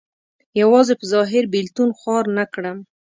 یوازې په ظاهر بېلتون خوار نه کړم.